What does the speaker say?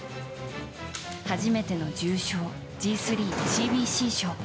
初めての重賞Ｇ３ＣＢＣ賞。